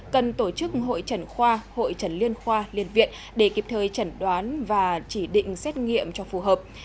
cần tổ chức hội trần khoa hội trần liên khoa liên viện để kịp thời chẩn đoán và chỉ định xét nghiệm cho phù hợp